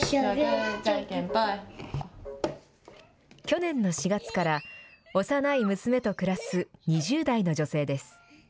去年の４月から、幼い娘と暮らす２０代の女性です。